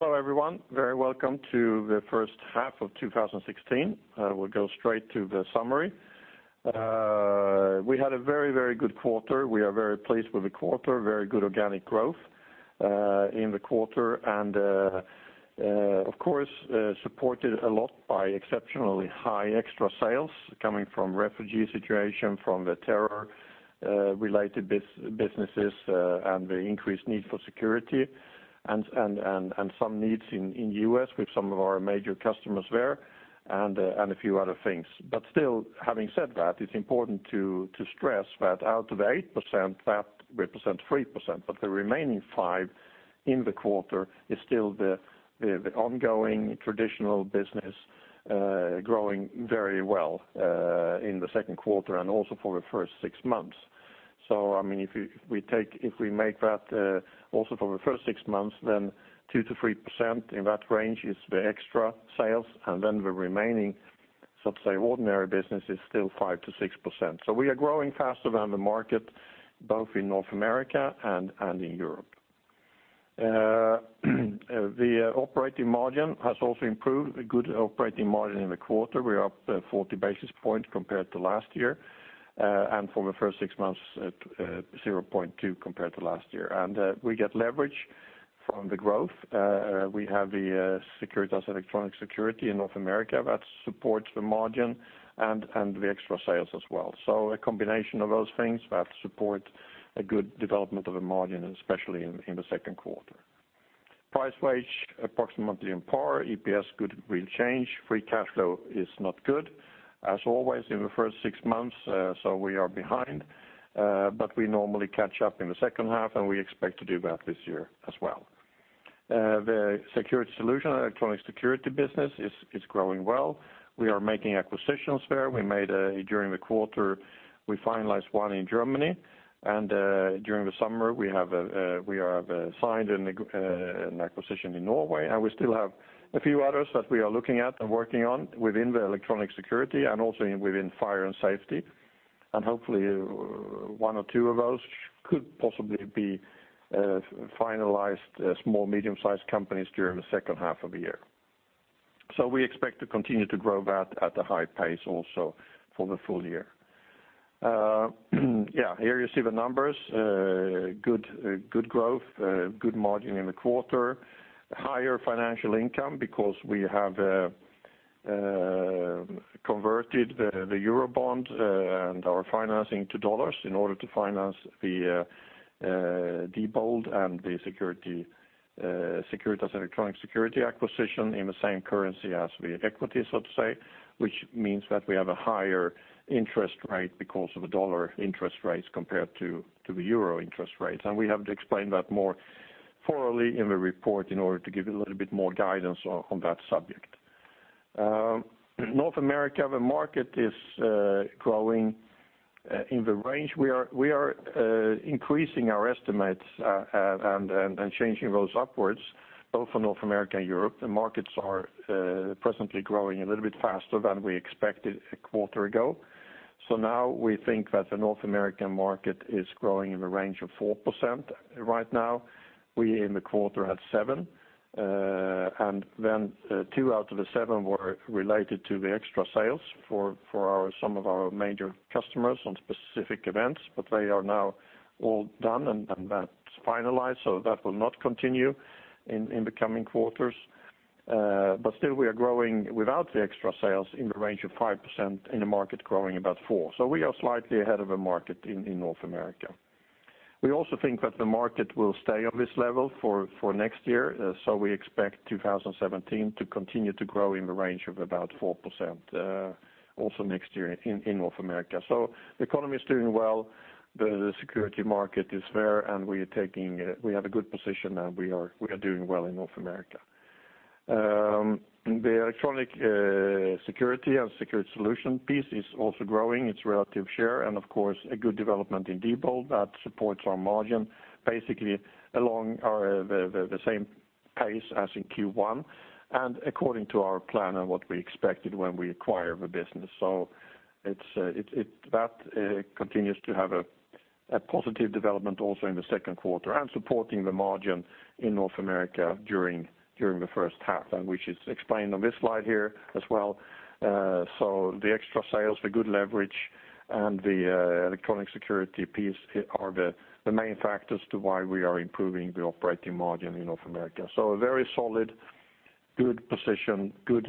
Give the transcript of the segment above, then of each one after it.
Hello everyone. Very welcome to the H1 of 2016. We'll go straight to the summary. We had a very very good quarter. We are very pleased with the quarter. Very good organic growth in the quarter. And of course supported a lot by exceptionally high extra sales coming from refugee situation from the terror-related businesses and the increased need for security. And some needs in the U.S. with some of our major customers there. And a few other things. But still having said that it's important to stress that out of 8% that represents 3%. But the remaining 5% in the quarter is still the ongoing traditional business growing very well in the Q2 and also for the first six months. So I mean if we take that also for the first six months then 2%-3% in that range is the extra sales. And then the remaining so to say ordinary business is still 5%-6%. So we are growing faster than the market both in North America and in Europe. The operating margin has also improved. A good operating margin in the quarter. We're up 40 basis points compared to last year. And for the first six months it's 0.2 compared to last year. And we get leverage from the growth. We have the Securitas Electronic Security in North America that supports the margin and the extra sales as well. So a combination of those things that support a good development of the margin especially in the Q2. Price wage approximately on par. EPS good real change. Free cash flow is not good. As always in the first six months, so we are behind. But we normally catch up in the H2 and we expect to do that this year as well. The security solution electronic security business is growing well. We are making acquisitions there. We made a during the quarter we finalized one in Germany. And during the summer we have signed an acquisition in Norway. And we still have a few others that we are looking at and working on within the electronic security and also in fire and safety. And hopefully one or two of those could possibly be finalized, small medium-sized companies during the H2 of the year. So we expect to continue to grow that at a high pace also for the full year. Yeah, here you see the numbers. Good growth. Good margin in the quarter. Higher financial income because we have converted the Eurobond and our financing to dollars in order to finance the Diebold and the Securitas Electronic Security acquisition in the same currency as the equity, so to say. Which means that we have a higher interest rate because of the dollar interest rates compared to the euro interest rates. We have to explain that more thoroughly in the report in order to give you a little bit more guidance on that subject. North America, the market is growing in the range. We are increasing our estimates and changing those upwards, both for North America and Europe. The markets are presently growing a little bit faster than we expected a quarter ago. So now we think that the North American market is growing in the range of 4% right now. We in the quarter at 7%. And then 2 out of the 7 were related to the extra sales for some of our major customers on specific events. But they are now all done and that's finalized. So that will not continue in the coming quarters. But still we are growing without the extra sales in the range of 5% in a market growing about 4%. So we are slightly ahead of the market in North America. We also think that the market will stay on this level for next year. So we expect 2017 to continue to grow in the range of about 4% also next year in North America. So the economy's doing well. The security market is fair and we have a good position and we are doing well in North America. The electronic security and security solution piece is also growing. Its relative share. And of course a good development in Diebold that supports our margin basically along the same pace as in Q1. And according to our plan and what we expected when we acquired the business. So it continues to have a positive development also in the Q2. And supporting the margin in North America during the H1 and which is explained on this slide here as well. So the extra sales, the good leverage, and the electronic security piece are the main factors to why we are improving the operating margin in North America. So a very solid good position good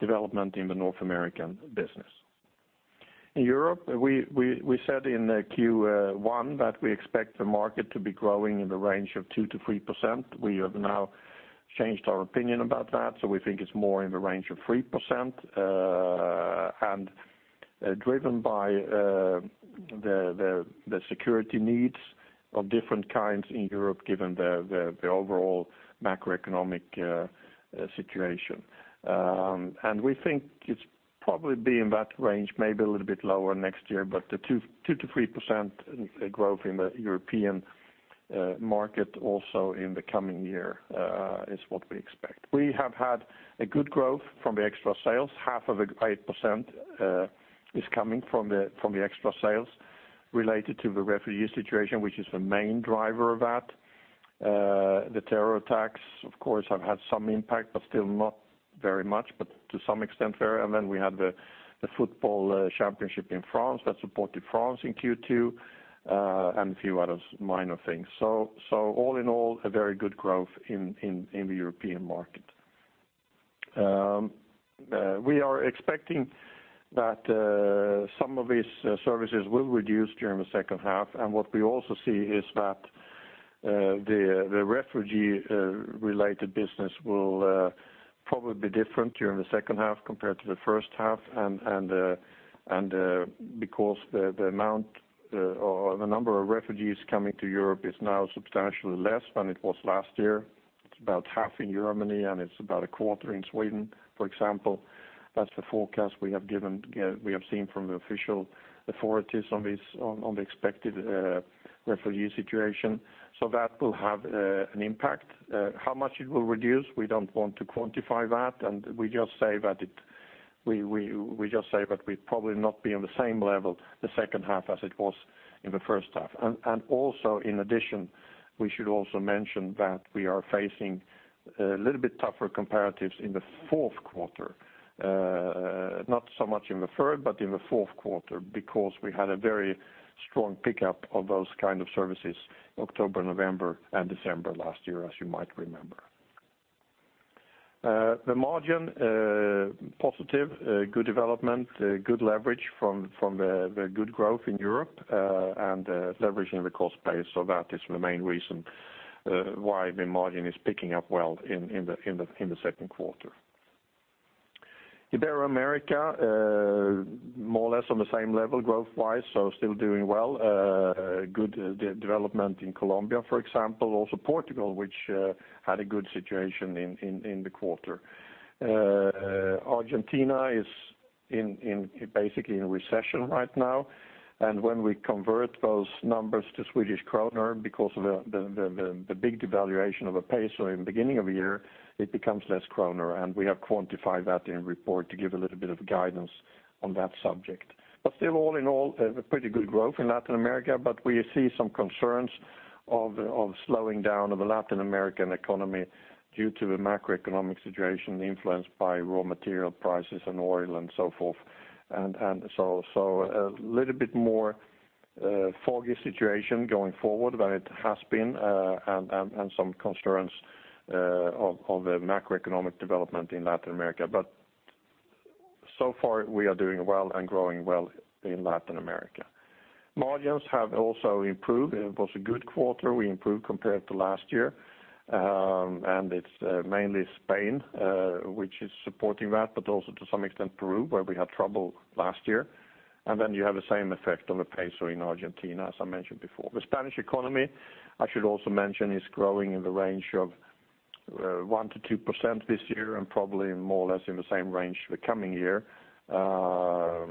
development in the North American business. In Europe we said in the Q1 that we expect the market to be growing in the range of 2%-3%. We have now changed our opinion about that. So we think it's more in the range of 3% and driven by the security needs of different kinds in Europe given the overall macroeconomic situation. And we think it's probably be in that range maybe a little bit lower next year. But the 2%-3% growth in the European market also in the coming year is what we expect. We have had a good growth from the extra sales. Half of the 8% is coming from the extra sales related to the refugee situation which is the main driver of that. The terror attacks of course have had some impact but still not very much but to some extent fair. And then we had the football championship in France that supported France in Q2, and a few other minor things. So all in all a very good growth in the European market. We are expecting that some of these services will reduce during the H2. And what we also see is that the refugee related business will probably be different during the H2 compared to the H1. And because the amount or the number of refugees coming to Europe is now substantially less than it was last year. It's about half in Germany and it's about a quarter in Sweden for example. That's the forecast we have given. We have seen from the official authorities on the expected refugee situation. So that will have an impact. How much it will reduce we don't want to quantify that. And we just say that it we just say that we'd probably not be on the same level the H2 as it was in the H1. And also in addition we should also mention that we are facing a little bit tougher comparatives in the fourth quarter, not so much in the third but in the fourth quarter because we had a very strong pickup of those kind of services October November and December last year as you might remember. The margin positive good development good leverage from the good growth in Europe. Leverage in the cost base so that is the main reason why the margin is picking up well in the Q2. Ibero-America more or less on the same level growth-wise. So still doing well. Good development in Colombia, for example. Also Portugal, which had a good situation in the quarter. Argentina is basically in recession right now. And when we convert those numbers to Swedish kronor because of the big devaluation of a peso in the beginning of the year, it becomes less kronor. And we have quantified that in the report to give a little bit of guidance on that subject. But still all in all a pretty good growth in Latin America. But we see some concerns of the slowing down of the Latin American economy due to the macroeconomic situation influenced by raw material prices and oil and so forth. And some concerns of the macroeconomic development in Latin America. But so far we are doing well and growing well in Latin America. Margins have also improved. It was a good quarter. We improved compared to last year. And it's mainly Spain which is supporting that but also to some extent Peru where we had trouble last year. And then you have the same effect on the peso in Argentina as I mentioned before. The Spanish economy I should also mention is growing in the range of 1%-2% this year and probably more or less in the same range the coming year. So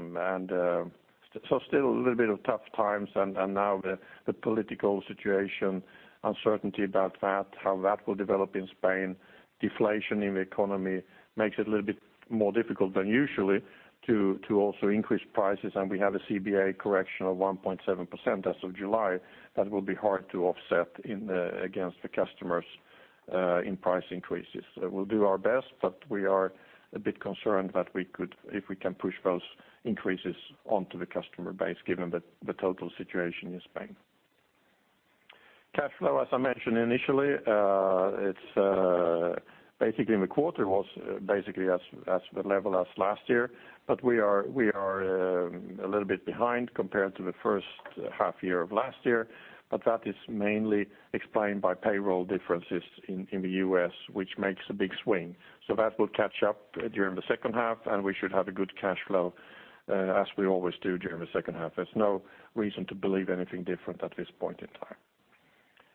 still a little bit of tough times. And now the political situation uncertainty about that how that will develop in Spain. Deflation in the economy makes it a little bit more difficult than usual to also increase prices. And we have a CBA correction of 1.7% as of July. That will be hard to offset against the customers in price increases. We'll do our best but we are a bit concerned that we could if we can push those increases onto the customer base given the total situation in Spain. Cash flow as I mentioned initially it's basically in the quarter was basically as the level as last year. But we are a little bit behind compared to the H1 year of last year. But that is mainly explained by payroll differences in the U.S. which makes a big swing. So that will catch up during the H2 and we should have a good cash flow as we always do during the H2. There's no reason to believe anything different at this point in time.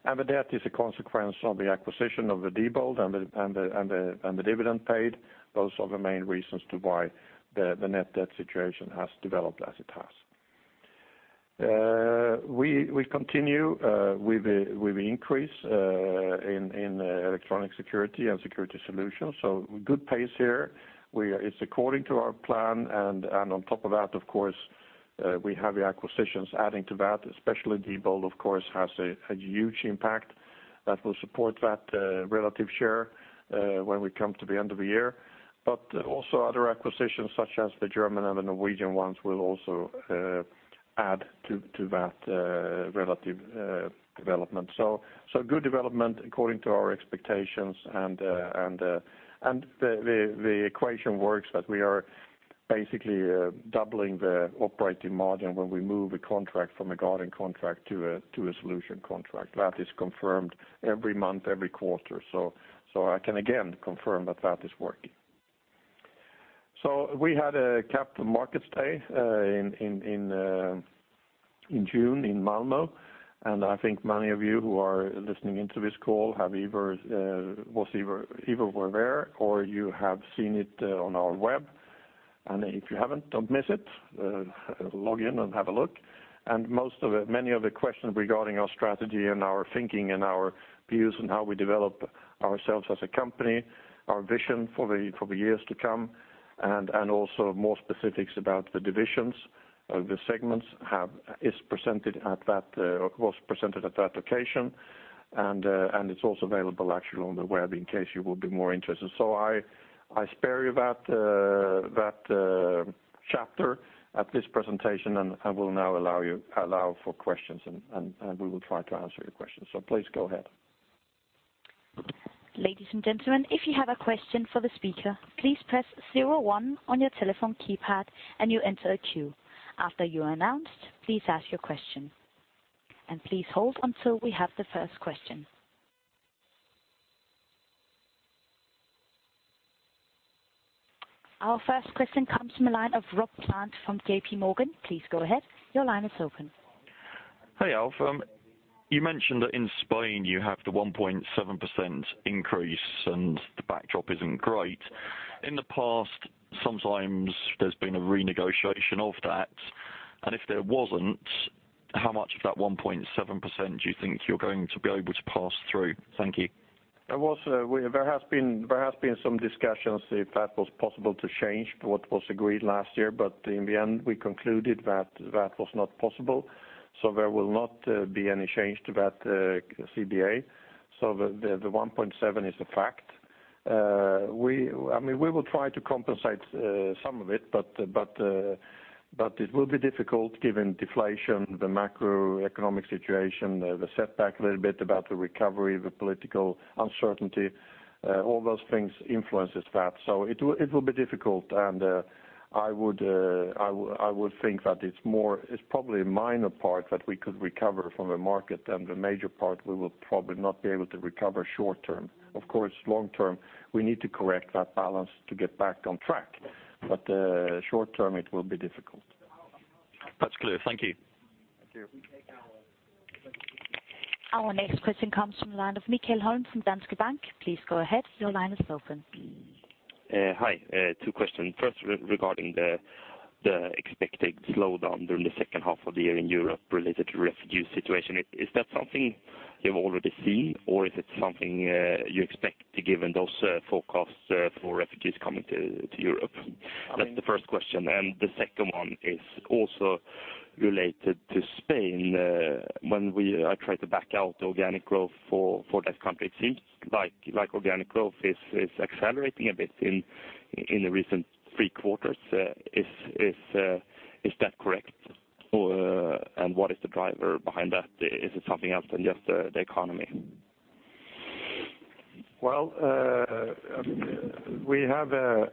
And the debt is a consequence of the acquisition of the Diebold and the dividend paid. Those are the main reasons to why the net debt situation has developed as it has. We continue with an increase in electronic security and security solutions. So good pace here. We are. It's according to our plan. And on top of that, of course, we have the acquisitions adding to that. Especially Diebold, of course, has a huge impact. That will support that relative share when we come to the end of the year. But also other acquisitions such as the German and the Norwegian ones will also add to that relative development. So good development according to our expectations and the equation works that we are basically doubling the operating margin when we move a contract from a guarding contract to a solution contract. That is confirmed every month, every quarter. So I can again confirm that that is working. So we had a Capital Markets Day in June in Malmö. And I think many of you who are listening into this call have either been there or you have seen it on our web. And if you haven't, don't miss it. Log in and have a look. And most of the questions regarding our strategy and our thinking and our views and how we develop ourselves as a company, our vision for the years to come. And also more specifics about the divisions of the segments is presented at that or was presented at that occasion. And it's also available actually on the web in case you would be more interested. So I spare you that chapter at this presentation and will now allow for questions and we will try to answer your questions. So please go ahead. Ladies and gentlemen, if you have a question for the speaker, please press zero one on your telephone keypad and you enter a queue. After you are announced, please ask your question. Please hold until we have the first question. Our first question comes from a line of Rob Plant from J.P. Morgan. Please go ahead. Your line is open. Hi, Alf. You mentioned that in Spain you have the 1.7% increase and the backdrop isn't great. In the past sometimes there's been a renegotiation of that. And if there wasn't, how much of that 1.7% do you think you're going to be able to pass through? Thank you. There has been some discussions if that was possible to change what was agreed last year. But in the end we concluded that that was not possible. So there will not be any change to that CBA. So the 1.7 is a fact. I mean we will try to compensate some of it but it will be difficult given deflation the macroeconomic situation the setback a little bit about the recovery the political uncertainty. All those things influences that. So it will be difficult. And I would think that it's probably a minor part that we could recover from the market. And the major part we will probably not be able to recover short term. Of course long term we need to correct that balance to get back on track. But short term it will be difficult. That's clear. Thank you. Thank you. Our next question comes from a line of Micael Sjökvist from Danske Bank. Please go ahead. Your line is open. Hi. Two questions. First, regarding the expected slowdown during the H2 of the year in Europe related to refugee situation. Is that something you've already seen or is it something you expect given those forecasts for refugees coming to Europe? That's the first question. And the second one is also related to Spain. When we tried to back out the organic growth for that country. It seems like organic growth is accelerating a bit in the recent three quarters. Is that correct? Or what is the driver behind that? Is it something else than just the economy? Well, I mean, we have the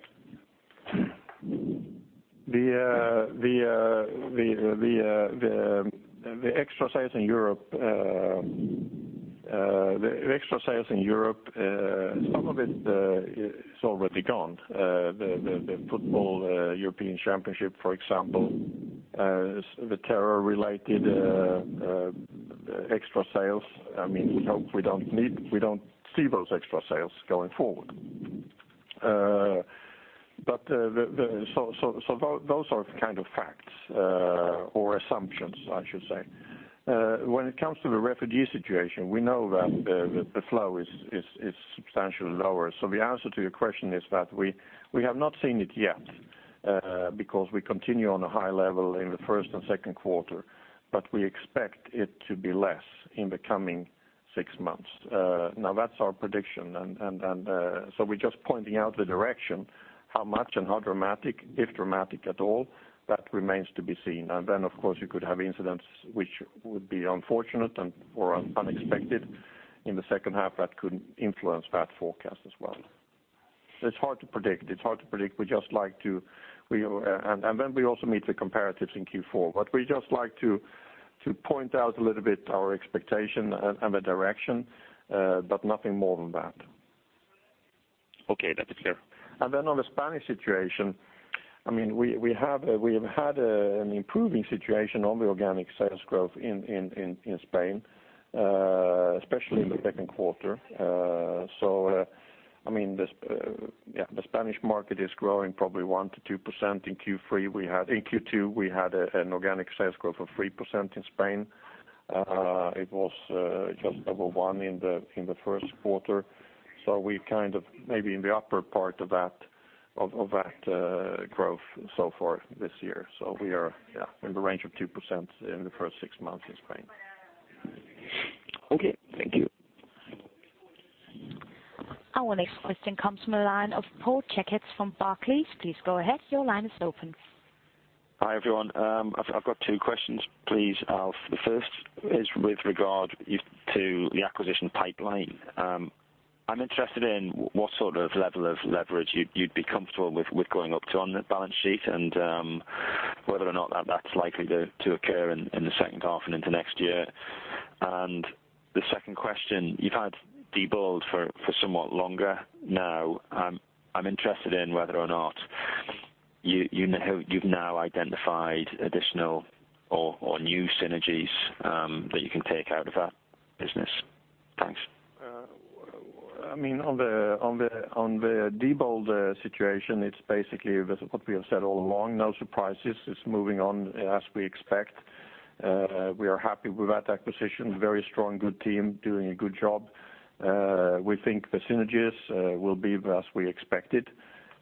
extra sales in Europe, the extra sales in Europe. Some of it is already gone, the football European Championship for example. The terror-related extra sales. I mean we hope we don't need we don't see those extra sales going forward. But those are kind of facts or assumptions I should say. When it comes to the refugee situation we know that the flow is substantially lower. So the answer to your question is that we have not seen it yet because we continue on a high level in the first and Q2. But we expect it to be less in the coming six months. Now that's our prediction. And so we're just pointing out the direction how much and how dramatic if dramatic at all that remains to be seen. And then of course you could have incidents which would be unfortunate and/or unexpected in the H2 that could influence that forecast as well. It's hard to predict. It's hard to predict. We just like to, and then we also meet the comparatives in Q4. But we just like to point out a little bit our expectation and the direction, but nothing more than that. Okay. That's clear. And then on the Spanish situation, I mean, we have had an improving situation on the organic sales growth in Spain, especially in the Q2. So, I mean, the Spanish market is growing probably 1%-2% in Q3. We had in Q2 an organic sales growth of 3% in Spain. It was just over 1% in the Q1. So we kind of maybe in the upper part of that growth so far this year. So we are, yeah, in the range of 2% in the first six months in Spain. Okay. Thank you. Our next question comes from a line of Paul Checketts from Barclays. Please go ahead. Your line is open. Hi everyone. I've got two questions please. Alf, the first is with regard to the acquisition pipeline. I'm interested in what sort of level of leverage you'd be comfortable with going up to on the balance sheet and whether or not that's likely to occur in the H2 and into next year. And the second question, you've had Diebold for somewhat longer now. I'm interested in whether or not you know who you've now identified additional or new synergies that you can take out of that business. Thanks. I mean on the Diebold situation it's basically what we have said all along. No surprises. It's moving on as we expect. We are happy with that acquisition. Very strong good team doing a good job. We think the synergies will be as we expected.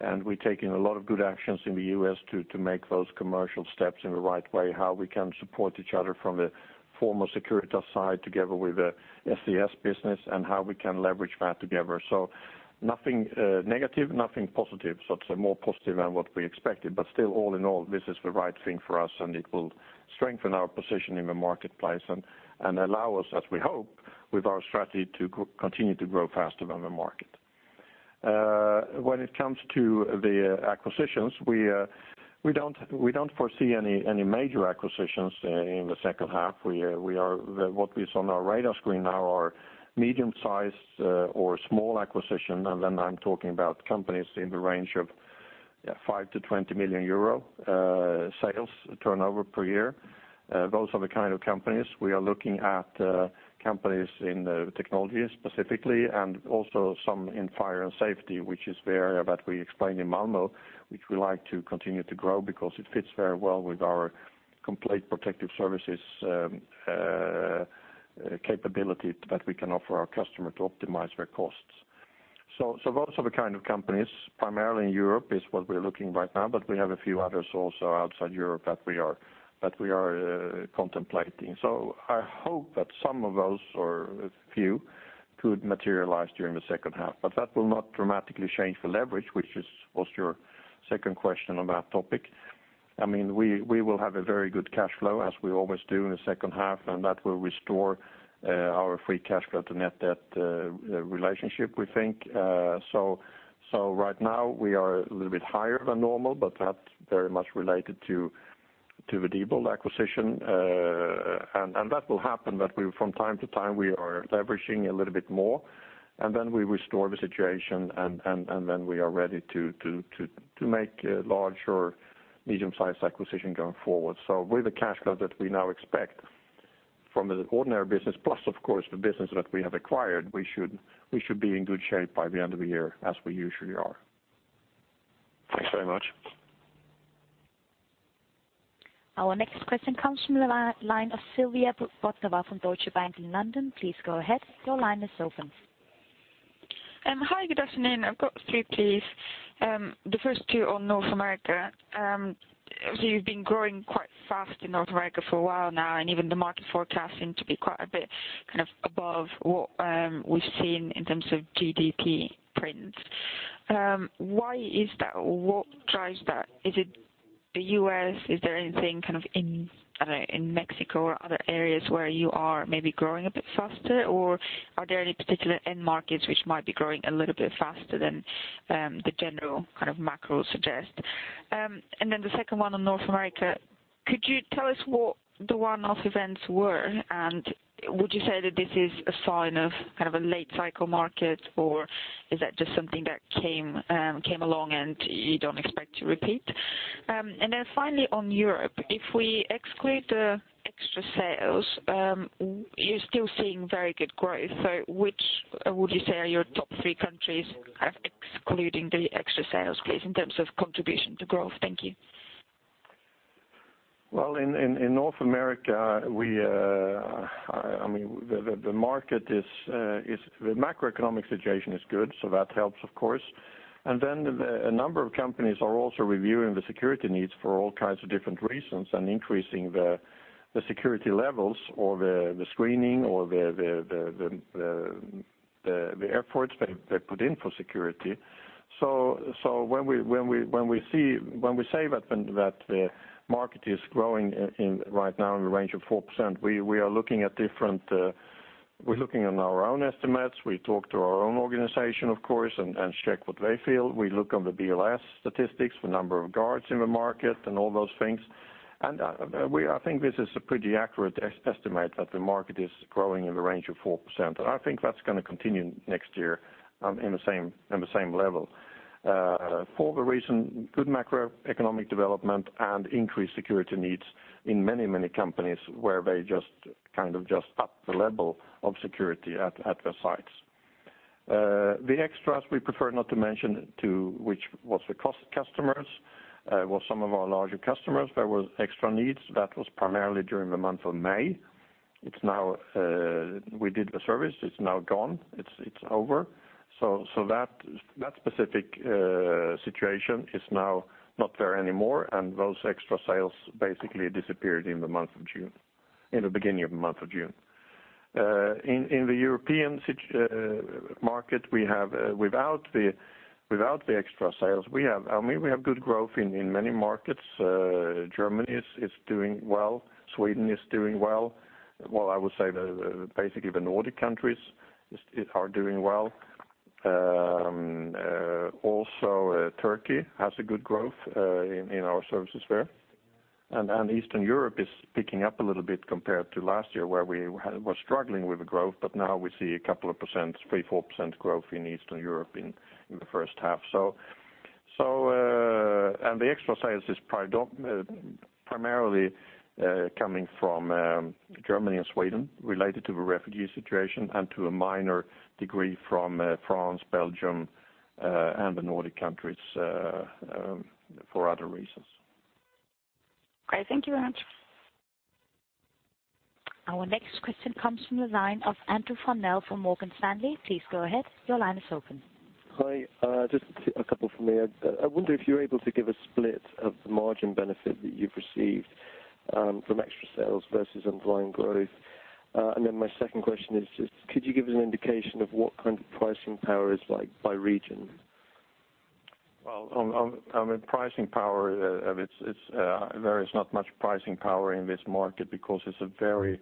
And we're taking a lot of good actions in the U.S. to make those commercial steps in the right way. How we can support each other from the former Securitas side together with the SES business and how we can leverage that together. So nothing negative nothing positive. So it's a more positive than what we expected. But still all in all this is the right thing for us and it will strengthen our position in the marketplace and allow us as we hope with our strategy to continue to grow faster than the market. When it comes to the acquisitions, we don't foresee any major acquisitions in the H2. What is on our radar screen now are medium-sized or small acquisitions. And then I'm talking about companies in the range of 5-20 million euro sales turnover per year. Those are the kind of companies. We are looking at companies in technology specifically and also some in fire and safety, which is the area that we explained in Malmö, which we like to continue to grow because it fits very well with our complete protective services capability that we can offer our customer to optimize their costs. So those are the kind of companies. Primarily in Europe is what we're looking right now. But we have a few others also outside Europe that we are contemplating. So I hope that some of those or a few could materialize during the H2. But that will not dramatically change the leverage, which was your second question on that topic. I mean, we will have a very good cash flow as we always do in the H2. And that will restore our free cash flow to net debt relationship we think. So right now we are a little bit higher than normal, but that's very much related to the Diebold acquisition. And that will happen that we from time to time we are leveraging a little bit more. And then we restore the situation and then we are ready to make a larger medium-sized acquisition going forward. So with the cash flow that we now expect from the ordinary business plus of course the business that we have acquired we should be in good shape by the end of the year as we usually are. Thanks very much. Our next question comes from a line of Sylvia Barker from Deutsche Bank in London. Please go ahead. Your line is open. Hi, good afternoon. I've got three, please. The first two on North America. So you've been growing quite fast in North America for a while now and even the market forecasts seem to be quite a bit kind of above what we've seen in terms of GDP prints. Why is that or what drives that? Is it the U.S.? Is there anything kind of in, I don't know, in Mexico or other areas where you are maybe growing a bit faster? Or are there any particular end markets which might be growing a little bit faster than the general kind of macro suggest. And then the second one on North America: could you tell us what the one-off events were? And would you say that this is a sign of kind of a late cycle market or is that just something that came along and you don't expect to repeat? And then finally on Europe, if we exclude the extra sales we're still seeing very good growth. So which would you say are your top three countries kind of excluding the extra sales please in terms of contribution to growth? Thank you. Well, in North America we—I mean the market is the macroeconomic situation is good so that helps of course. And then a number of companies are also reviewing the security needs for all kinds of different reasons and increasing the security levels or the screening or the efforts they put in for security. So when we say that the market is growing in right now in the range of 4% we are looking at different. We're looking on our own estimates. We talk to our own organization of course and check what they feel. We look on the BLS statistics, the number of guards in the market and all those things. And I think this is a pretty accurate estimate that the market is growing in the range of 4%. I think that's gonna continue next year in the same level. For the reason good macroeconomic development and increased security needs in many many companies where they just kind of upped the level of security at their sites. The extras we prefer not to mention to which was the cost customers was some of our larger customers. There was extra needs that was primarily during the month of May. It's now we did the service. It's now gone. It's over. So that specific situation is now not there anymore. And those extra sales basically disappeared in the month of June in the beginning of the month of June. In the European security market we have without the extra sales we have I mean we have good growth in many markets. Germany is doing well. Sweden is doing well. Well, I would say basically the Nordic countries are doing well. Also, Turkey has good growth in our services there. And Eastern Europe is picking up a little bit compared to last year where we was struggling with the growth. But now we see a couple of percent, 3%-4% growth in Eastern Europe in the H1. So and the extra sales is primarily coming from Germany and Sweden related to the refugee situation and to a minor degree from France, Belgium, and the Nordic countries for other reasons. Great. Thank you very much. Our next question comes from a line of Andrew Fennell from Morgan Stanley. Please go ahead. Your line is open. Hi, just a couple from me. I wonder if you're able to give a split of the margin benefit that you've received from extra sales versus underlying growth. And then my second question is just could you give us an indication of what kind of pricing power is like by region? Well, I mean, pricing power. It's—it's there is not much pricing power in this market because it's a very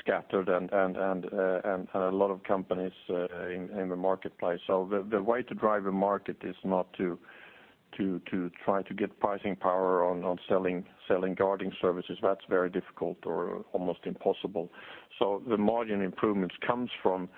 scattered and a lot of companies in the marketplace. So the way to drive the market is not to try to get pricing power on selling guarding services. That's very difficult or almost impossible. So the margin improvements comes from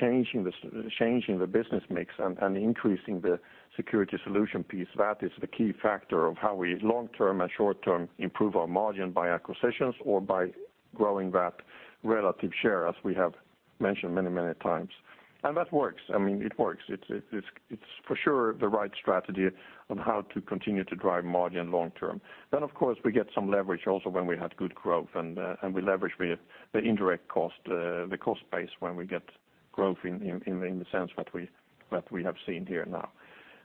changing the business mix and increasing the security solution piece. That is the key factor of how we long-term and short-term improve our margin by acquisitions or by growing that relative share as we have mentioned many many times. And that works. I mean it works. It's for sure the right strategy on how to continue to drive margin long-term. Then of course we get some leverage also when we had good growth. And we leverage with the indirect cost the cost base when we get growth in the sense that we that we have seen here now.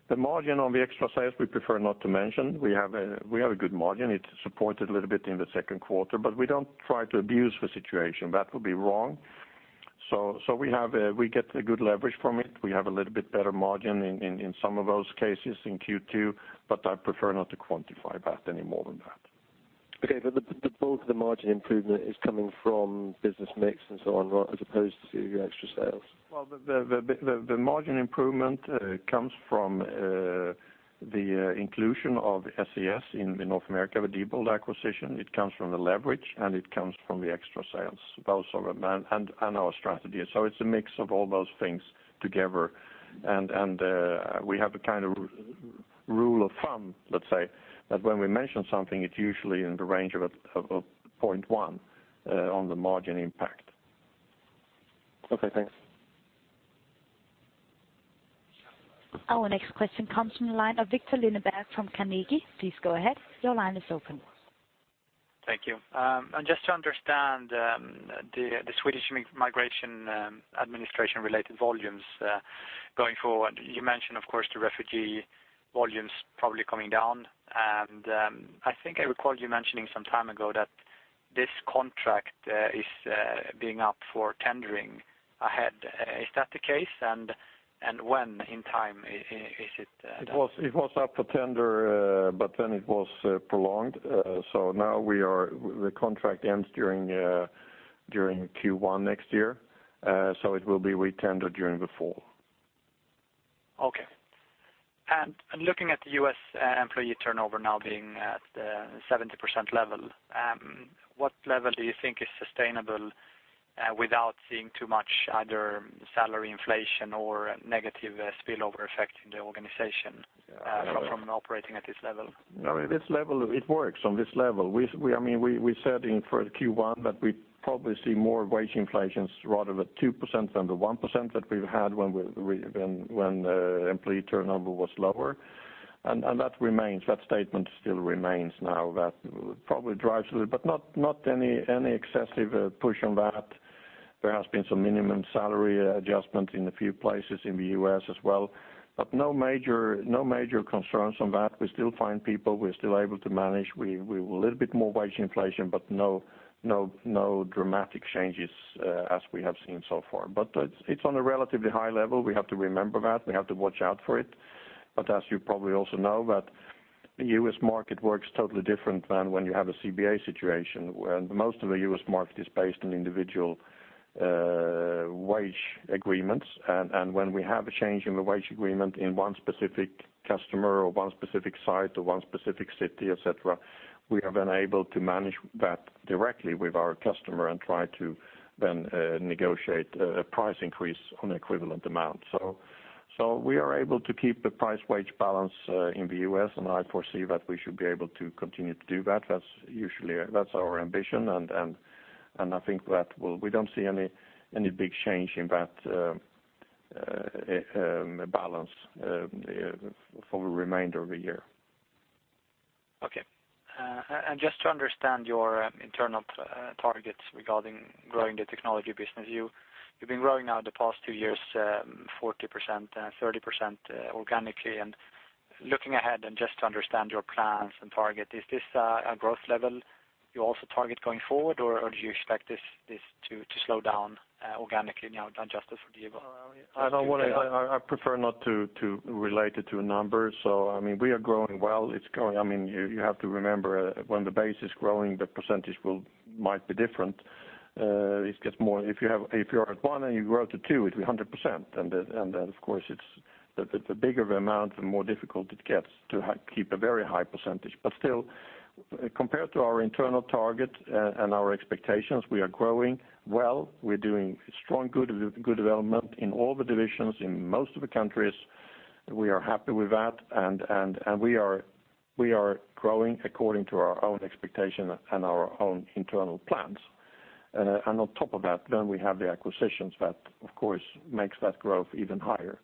The margin on the extra sales we prefer not to mention. We have a good margin. It supported a little bit in the Q2. But we don't try to abuse the situation. That would be wrong. So we get a good leverage from it. We have a little bit better margin in some of those cases in Q2. But I prefer not to quantify that any more than that. Okay. But the bulk of the margin improvement is coming from business mix and so on right as opposed to your extra sales? Well the margin improvement comes from the inclusion of SES in North America with Diebold acquisition. It comes from the leverage and it comes from the extra sales. Those are the main and our strategy. So it's a mix of all those things together. And we have a kind of rule of thumb let's say that when we mention something it's usually in the range of 0.1 on the margin impact. Okay. Thanks. Our next question comes from a line of Viktor Lindeberg from Carnegie. Please go ahead. Your line is open. Thank you. And just to understand the Swedish migration administration related volumes going forward, you mentioned of course the refugee volumes probably coming down. And I think I recalled you mentioning some time ago that this contract is being up for tendering ahead. Is that the case? It was up for tender but then it was prolonged. So now the contract ends during Q1 next year. So it will be retendered during the fall. Okay. And looking at the U.S. employee turnover now being at the 70% level, what level do you think is sustainable without seeing too much either salary inflation or negative spillover effect in the organization from operating at this level? I mean this level it works on this level. I mean, we said in Q1 that we'd probably see more wage inflation rather than 2% than the 1% that we've had when employee turnover was lower. And that remains. That statement still remains now. That'll probably drive a little but not any excessive push on that. There has been some minimum salary adjustments in a few places in the U.S. as well. But no major concerns on that. We still find people. We're still able to manage. We will a little bit more wage inflation but no dramatic changes as we have seen so far. But it's on a relatively high level. We have to remember that. We have to watch out for it. But as you probably also know, the U.S. market works totally different than when you have a CBA situation where most of the U.S. market is based on individual wage agreements. And when we have a change in the wage agreement in one specific customer or one specific site or one specific city et cetera, we are then able to manage that directly with our customer and try to then negotiate a price increase on equivalent amount. So we are able to keep the price wage balance in the U.S., and I foresee that we should be able to continue to do that. That's usually our ambition. And I think that we don't see any big change in that balance for the remainder of the year. Okay. And just to understand your internal targets regarding growing the technology business, you've been growing now the past two years 40% 30% organically. And looking ahead and just to understand your plans and target is this a growth level you also target going forward or do you expect this to slow down organically now adjusted for Diebold? I don't wanna, I prefer not to relate it to a number. So I mean we are growing well. It's growing. I mean you have to remember when the base is growing the percentage will might be different. It gets more if you have if you're at 1 and you grow to 2 it'll be 100%. And then of course it's the bigger the amount the more difficult it gets to keep a very high percentage. But still compared to our internal target and our expectations we are growing well. We're doing strong good development in all the divisions in most of the countries. We are happy with that. And we are growing according to our own expectation and our own internal plans. And on top of that then we have the acquisitions that of course makes that growth even higher.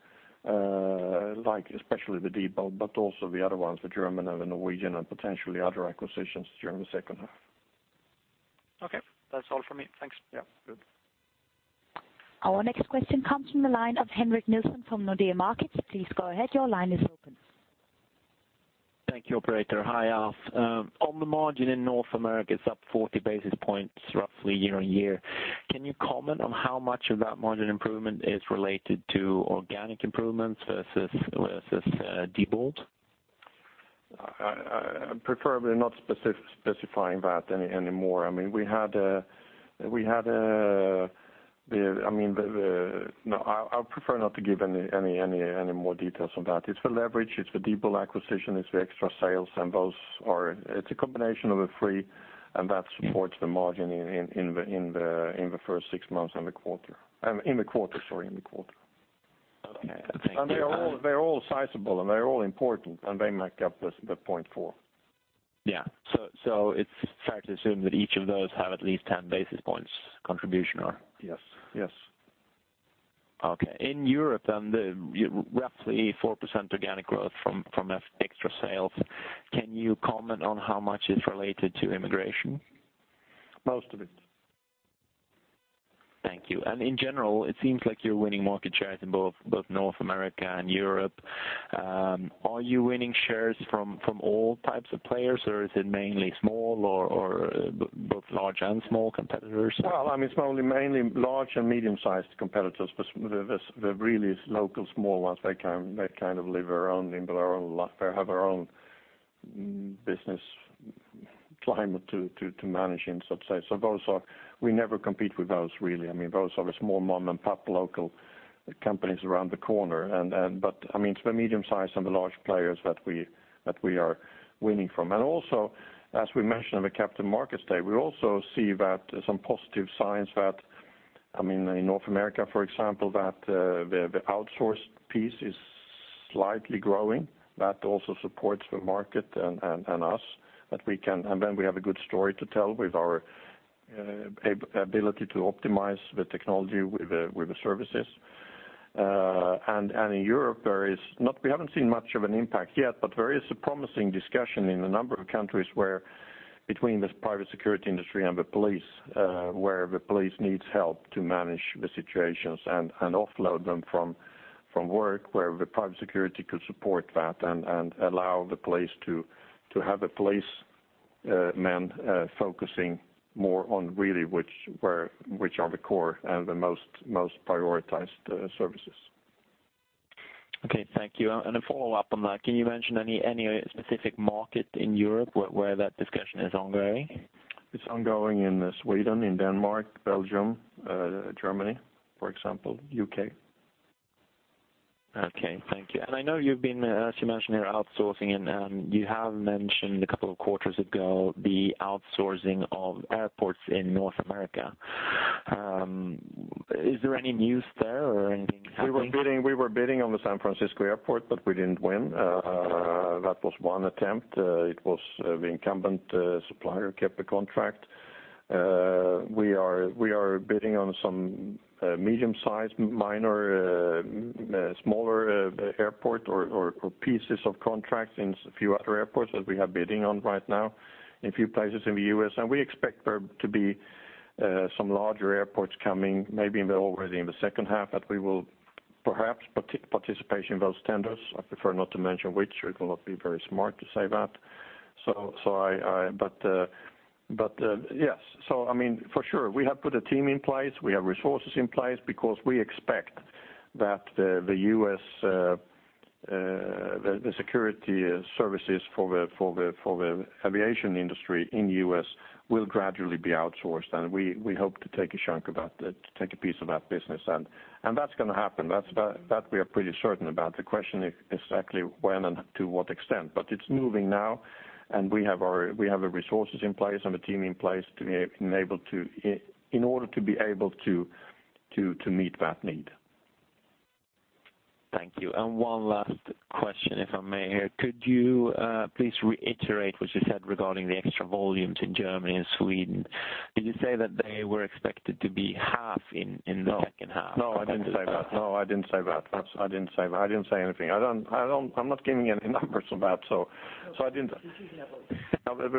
Like especially the Diebold but also the other ones for Germany and Norwegian and potentially other acquisitions during the H2. Okay. That's all from me. Thanks. Yep. Good. Our next question comes from a line of Henrik Nielsen from Nordea Markets. Please go ahead. Your line is open. Thank you operator. Hi Alf. On the margin in North America it's up 40 basis points roughly year-on-year. Can you comment on how much of that margin improvement is related to organic improvements versus Diebold? I prefer not specifying that any more. I mean we had a the I mean the no I prefer not to give any more details on that. It's the leverage. It's the Diebold acquisition. It's the extra sales. And those are it's a combination of the three and that supports the margin in the first six months and the quarter, sorry, in the quarter. Okay. Thank you. And they are all sizable and they are all important. And they make up the 0.4. Yeah. So it's fair to assume that each of those have at least 10 basis points contribution or? Yes. Yes. Okay. In Europe, then, the year-over-year roughly 4% organic growth from extra sales. Can you comment on how much is related to immigration? Most of it. Thank you. And in general it seems like you're winning market shares in both North America and Europe. Are you winning shares from all types of players or is it mainly small or both large and small competitors? Well, I mean it's mainly large and medium-sized competitors besides the really local small ones. They kind of live on their own in their own lot they have their own business climate to manage in so to say. So those we never compete with those really. I mean those are the small mom and pop local companies around the corner. But I mean it's the medium-sized and the large players that we are winning from. And also as we mentioned on the Capital Markets Day we also see some positive signs that I mean in North America for example that the outsourced piece is slightly growing. That also supports the market and us that we can, and then we have a good story to tell with our ability to optimize the technology with the services. In Europe, we haven't seen much of an impact yet, but there is a promising discussion in a number of countries where, between the private security industry and the police, the police need help to manage the situations and offload them from work where the private security could support that and allow the police to have policemen focusing more on really where which are the core and the most prioritized services. Okay. Thank you. And a follow-up on that, can you mention any specific market in Europe where that discussion is ongoing? It's ongoing in Sweden, in Denmark, Belgium, Germany, for example, UK. Okay. Thank you. And I know you've been outsourcing, as you mentioned here, and you have mentioned a couple of quarters ago the outsourcing of airports in North America. Is there any news there or anything happening? We were bidding on the San Francisco Airport but we didn't win. That was one attempt. It was the incumbent supplier kept the contract. We are bidding on some medium-sized minor smaller airports or pieces of contract in a few other airports that we have bidding on right now in a few places in the U.S. And we expect there to be some larger airports coming maybe already in the H2 that we will perhaps participation in those tenders. I prefer not to mention which. It will not be very smart to say that. So I but yes. So I mean for sure we have put a team in place. We have resources in place because we expect that the U.S. security services for the aviation industry in the U.S. will gradually be outsourced. And we hope to take a chunk of that to take a piece of that business. And that's gonna happen. That's that we are pretty certain about. The question is exactly when and to what extent. But it's moving now and we have the resources in place and the team in place to be able to meet that need. Thank you. And one last question if I may here. Could you please reiterate what you said regarding the extra volumes in Germany and Sweden? Did you say that they were expected to be half in the H2? No, I didn't say that. No, I didn't say that. That's—I didn't say that. I didn't say anything. I don't—I don't—I'm not giving any numbers on that, so—so I didn't. The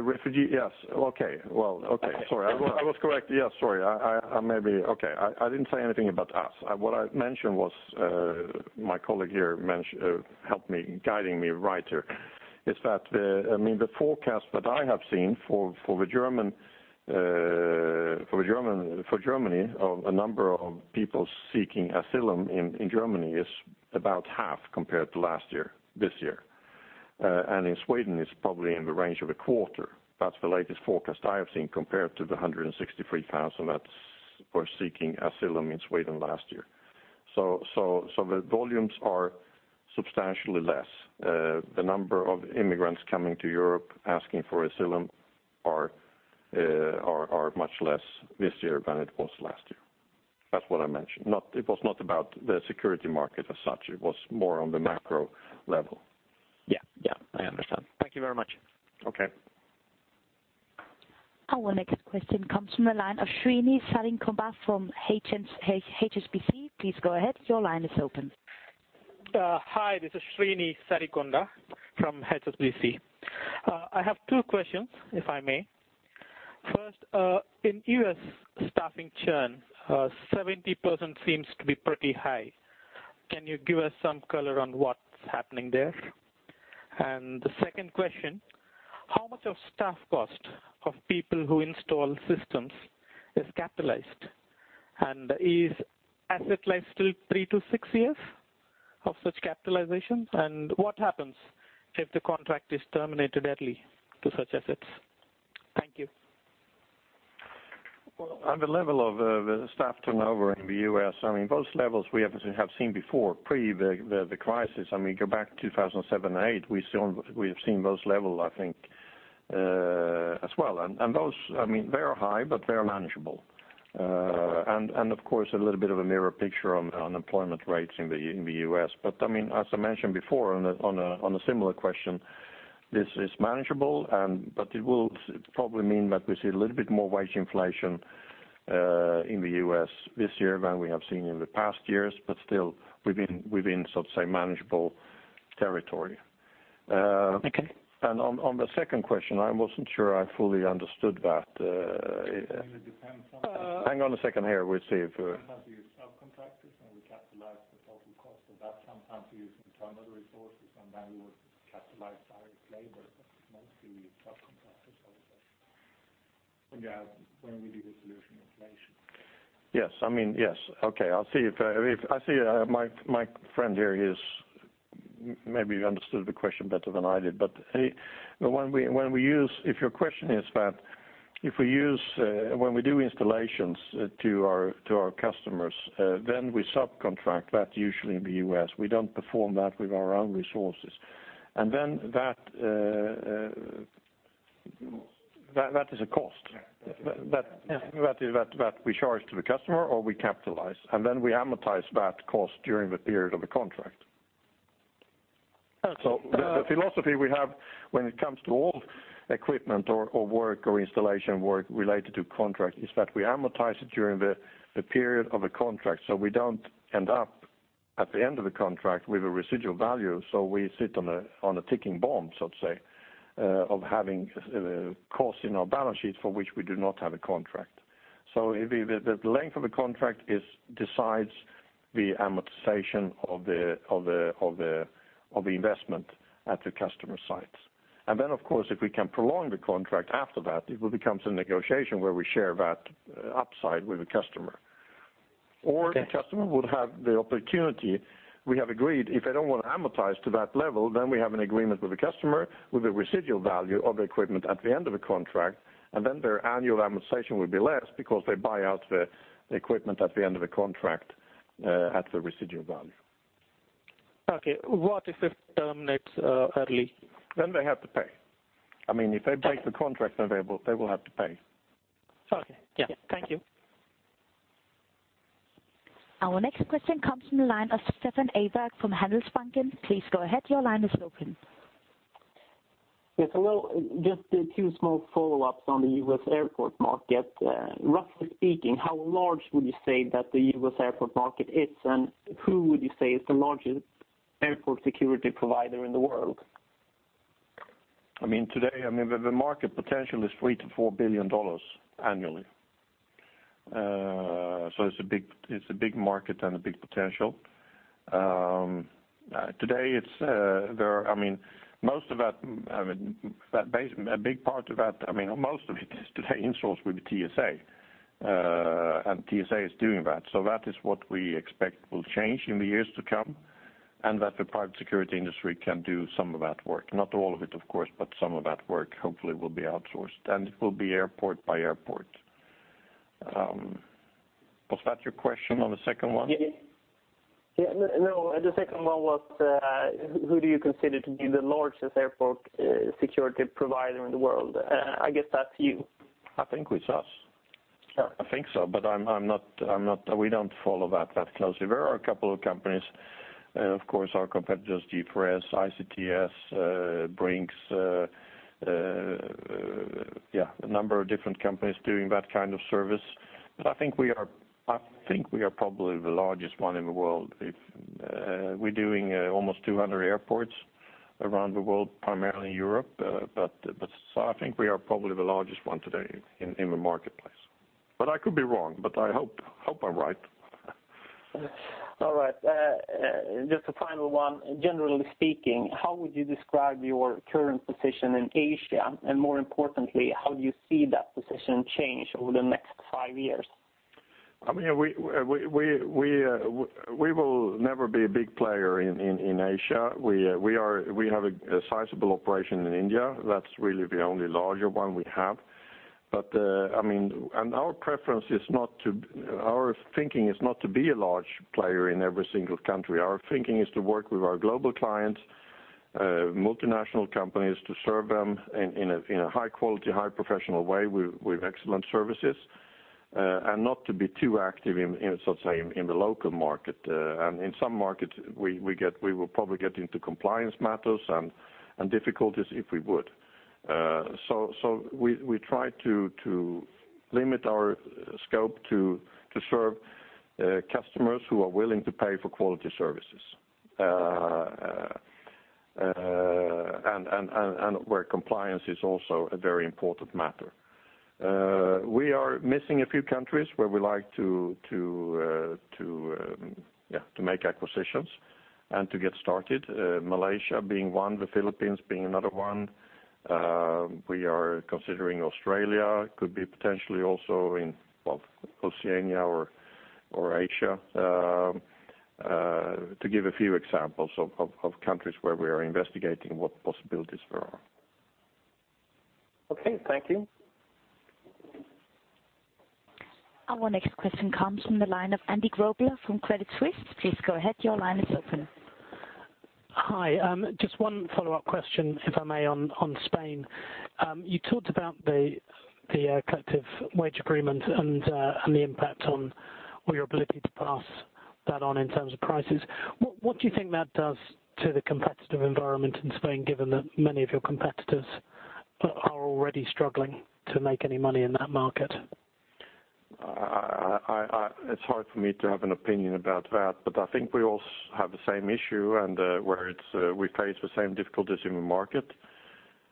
refugee, yes. Okay. Well, okay. Sorry. I was—I was correct. Yes, sorry. I—I—maybe okay. I—I didn't say anything about us. What I mentioned was my colleague here mentioned helped me guiding me right here. Is that the—I mean, the forecast that I have seen for—for the German—for the German—for Germany of a number of people seeking asylum in—in Germany is about half compared to last year, this year. And in Sweden it's probably in the range of a quarter. That's the latest forecast I have seen compared to the 163,000 that was seeking asylum in Sweden last year. So the volumes are substantially less. The number of immigrants coming to Europe asking for asylum are much less this year than it was last year. That's what I mentioned. No, it was not about the security market as such. It was more on the macro level. Yeah. Yeah. I understand. Thank you very much. Okay. Our next question comes from a line of Srini Konda from HSBC. Please go ahead. Your line is open. Hi, this is Srini Konda from HSBC. I have two questions if I may. First, in U.S. staffing, churn 70% seems to be pretty high. Can you give us some color on what's happening there? And the second question: how much of staff cost of people who install systems is capitalized? And is asset life still 3-6 years of such capitalization? And what happens if the contract is terminated early to such assets? Thank you. Well on the level of the staff turnover in the U.S. I mean those levels we have seen before pre the crisis. I mean go back to 2007 and 2008 we still we have seen those levels I think as well. And those I mean they are high but they are manageable. And of course a little bit of a mirror picture on the employment rates in the U.S. But I mean as I mentioned before on a similar question this is manageable and but it will probably mean that we see a little bit more wage inflation in the U.S. this year than we have seen in the past years but still within so to say manageable territory. Okay. And on the second question I wasn't sure I fully understood that. Hang on a second here. We'll see if sometimes we use subcontractors and we capitalize the total cost of that. Sometimes we use internal resources and then we would capitalize direct labor but mostly we use subcontractors I would say. When we do the solution installation. Yes I mean yes. Okay. I'll see if I see my friend here he's maybe understood the question better than I did. But anyway the one we when we use if your question is that if we use when we do installations to our customers then we subcontract that usually in the U.S. We don't perform that with our own resources. And then that is a cost. That is what we charge to the customer or we capitalize. And then we amortize that cost during the period of the contract. Okay. So the philosophy we have when it comes to all equipment or work or installation work related to contract is that we amortize it during the period of a contract. So we don't end up at the end of the contract with a residual value. So we sit on a ticking bomb so to say of having a cost in our balance sheet for which we do not have a contract. So the length of the contract decides the amortization of the investment at the customer sites. And then of course if we can prolong the contract after that it will become some negotiation where we share that upside with the customer. Or the customer would have the opportunity we have agreed if they don't wanna amortize to that level then we have an agreement with the customer with a residual value of equipment at the end of the contract. And then their annual amortization would be less because they buy out the equipment at the end of the contract at the residual value. Okay. What if it terminates early? Then they have to pay. I mean if they break the contract then they will have to pay. Okay. Yeah. Thank you. Our next question comes from a line of Stefan Andersson from Handelsbanken. Please go ahead. Your line is open. It's just a few small follow-ups on the U.S. airport market. Roughly speaking, how large would you say that the U.S. airport market is? And who would you say is the largest airport security provider in the world? I mean today, I mean the market potential is $3 billion-$4 billion annually. So it's a big market and a big potential. Today, there are I mean most of that. I mean most of that base is a big part of that. I mean, or most of it is today in-sourced with the TSA. And TSA is doing that. So that is what we expect will change in the years to come and that the private security industry can do some of that work. Not all of it of course but some of that work hopefully will be outsourced. It will be airport by airport. Was that your question on the second one? Yeah. No, the second one was who do you consider to be the largest airport security provider in the world? I guess that's you. I think it's us. I think so. But I'm not. We don't follow that closely. There are a couple of companies of course our competitors G4S, ICTS, Brink's yeah a number of different companies doing that kind of service. But I think we are probably the largest one in the world if we're doing almost 200 airports around the world primarily in Europe. So I think we are probably the largest one today in the marketplace. But I could be wrong but I hope I'm right. All right. Just a final one. Generally speaking, how would you describe your current position in Asia? And more importantly, how do you see that position change over the next five years? I mean, we will never be a big player in Asia. We have a sizable operation in India. That's really the only larger one we have. But I mean, our preference is not to—our thinking is not to be a large player in every single country. Our thinking is to work with our global clients, multinational companies, to serve them in a high-quality, high-professional way with excellent services, and not to be too active, so to say, in the local market. And in some markets we will probably get into compliance matters and difficulties if we would. So we try to limit our scope to serve customers who are willing to pay for quality services and where compliance is also a very important matter. We are missing a few countries where we like to make acquisitions and to get started. Malaysia being one, the Philippines being another one. We are considering Australia. Could be potentially also in Oceania or Asia to give a few examples of countries where we are investigating what possibilities there are. Okay. Thank you. Our next question comes from the line of Andy Grobler from Credit Suisse. Please go ahead. Your line is open. Hi, just one follow-up question if I may on Spain. You talked about the collective bargaining agreement and the impact on or your ability to pass that on in terms of prices. What do you think that does to the competitive environment in Spain given that many of your competitors are already struggling to make any money in that market? It's hard for me to have an opinion about that. But I think we all have the same issue and we face the same difficulties in the market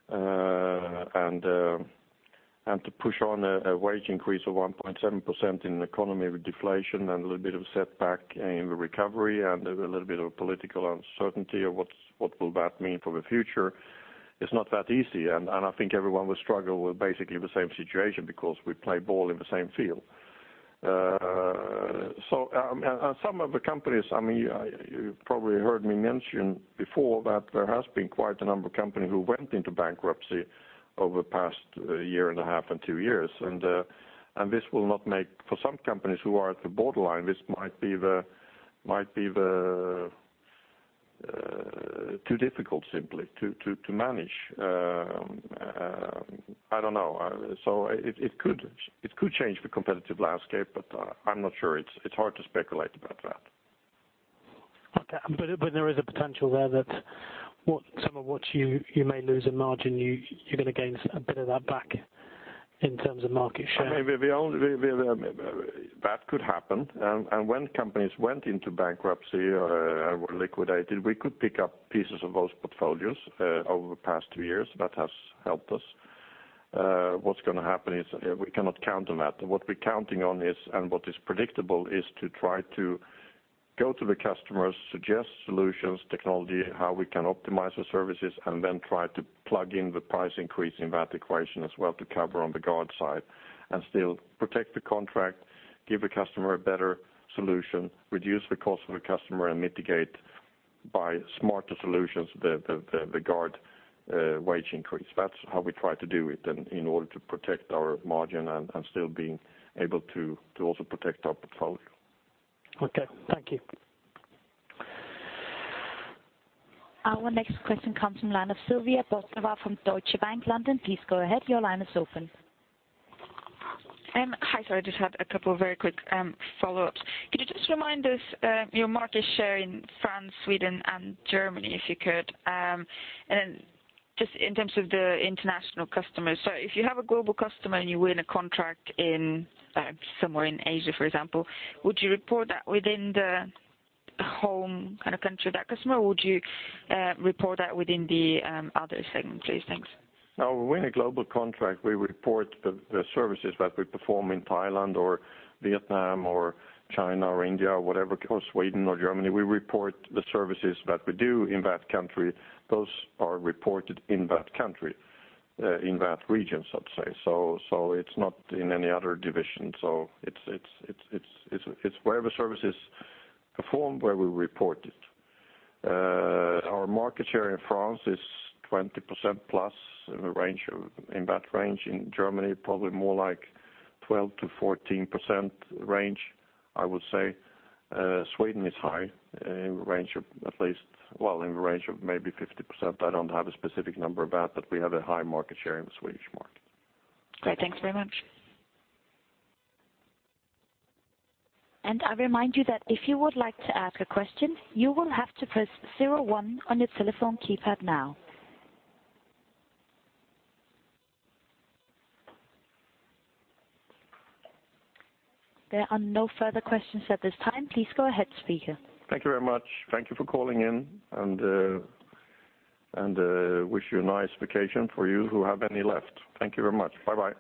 and to push on a wage increase of 1.7% in an economy with deflation and a little bit of a setback in the recovery and a little bit of a political uncertainty of what will that mean for the future is not that easy. And I think everyone will struggle with basically the same situation because we play ball in the same field. So I mean, some of the companies—I mean, you probably heard me mention before that there has been quite a number of companies who went into bankruptcy over the past year and a half and two years. And this will not make for some companies who are at the borderline; this might be too difficult simply to manage. I don't know. So it could change the competitive landscape, but I'm not sure. It's hard to speculate about that. Okay. But there is a potential there that what some of what you may lose in margin, you're gonna gain a bit of that back in terms of market share. I mean, we only—that could happen. And when companies went into bankruptcy or were liquidated we could pick up pieces of those portfolios over the past two years. That has helped us. What's gonna happen is we cannot count on that. What we're counting on is and what is predictable is to try to go to the customers suggest solutions technology how we can optimize the services and then try to plug in the price increase in that equation as well to cover on the guard side and still protect the contract give the customer a better solution reduce the cost for the customer and mitigate by smarter solutions the guard wage increase. That's how we try to do it and in order to protect our margin and still being able to also protect our portfolio. Okay. Thank you. Our next question comes from a line of Sylvia Barker from Deutsche Bank London. Please go ahead. Your line is open. Hi, sorry, I just had a couple of very quick follow-ups. Could you just remind us your market share in France, Sweden and Germany if you could? And then just in terms of the international customers. So if you have a global customer and you win a contract in somewhere in Asia for example would you report that within the home kind of country of that customer or would you report that within the other segment please? Thanks. Oh, we win a global contract we report the services that we perform in Thailand or Vietnam or China or India or whatever country or Sweden or Germany. We report the services that we do in that country. Those are reported in that country in that region so to say. So it's not in any other division. So it's wherever services perform where we report it. Our market share in France is 20% plus in the range of in that range. In Germany probably more like 12%-14% range I would say. Sweden is high in the range of at least in the range of maybe 50%. I don't have a specific number of that but we have a high market share in the Swedish market. Great. Thanks very much. And I'll remind you that if you would like to ask a question you will have to press zero one on your telephone keypad now. There are no further questions at this time. Please go ahead speaker. Thank you very much. Thank you for calling in. And wish you a nice vacation for you who have any left. Thank you very much. Bye-bye.